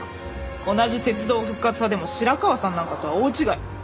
同じ鉄道復活派でも白川さんなんかとは大違い。